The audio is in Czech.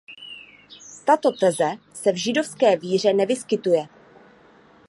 Tato teze se v židovské víře nevyskytuje.